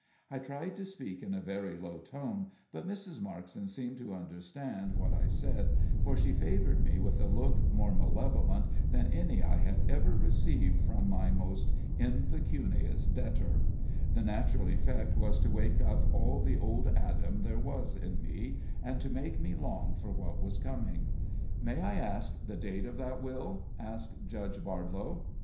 I tried to speak in a very low tone, but Mrs. Markson seemed to understand what I said, for she favored me with a look more malevolent than any I had ever received from my most impecunious debtor; the natural effect was to wake up all the old Adam there was in me, and to make me long for what was coming. "May I ask the date of that will?" asked Judge Bardlow.